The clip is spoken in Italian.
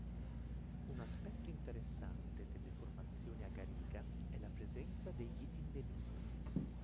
Un aspetto interessante delle formazioni a gariga è la presenza degli endemismi.